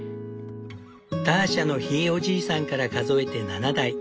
ターシャのひいおじいさんから数えて７代。